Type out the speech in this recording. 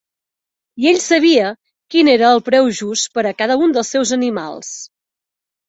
I ell sabia quin era el preu just per a cada un dels seus animals.